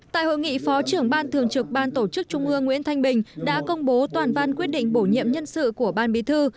tại hội nghị phó trưởng ban thường trực ban tổ chức trung ương nguyễn thanh bình đã công bố toàn văn quyết định bổ nhiệm nhân sự của ban bí thư